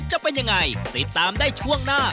จะเป็นยังไงติดตามได้ช่วงหน้า